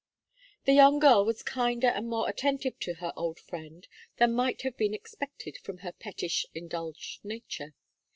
The young girl was kinder and more attentive to her old friend than might have been expected from her pettish, indulged nature.